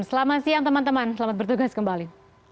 selamat siang teman teman selamat bertugas kembali